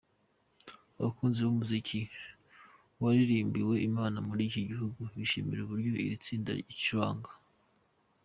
Abakunzi b’umuziki waririmbiwe Imana muri iki gihugu bishimiye uburyo iri tsinda ricuranga.